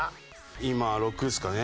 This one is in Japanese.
今６ですかね。